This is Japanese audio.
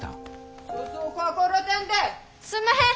すんまへん！